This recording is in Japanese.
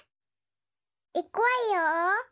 いくわよ！